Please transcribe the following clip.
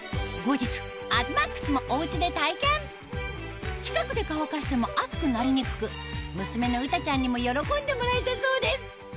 東ＭＡＸもお家で体験近くで乾かしても熱くなりにくく娘の詩歌ちゃんにも喜んでもらえたそうです